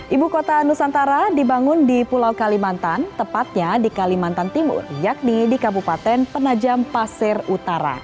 ibu kota nusantara dibangun di pulau kalimantan tepatnya di kalimantan timur yakni di kabupaten penajam pasir utara